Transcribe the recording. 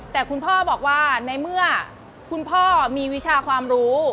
แต่คุณพ่อบอกว่าในเมื่อคุณพ่อมีวิชาความรู้